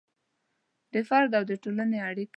د فرد او د ټولنې اړیکه